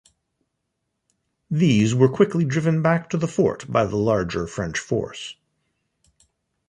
These were quickly driven back to the fort by the larger French force.